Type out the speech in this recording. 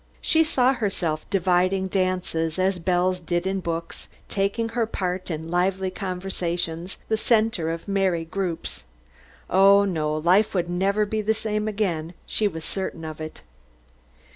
She saw herself dividing dances as belles did in books, taking her part in lively conversations, the center of merry groups. Oh, no, life would never be the same again; she was certain of it.